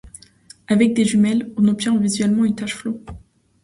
Avec des jumelles, on obtient visuellement une tache floue.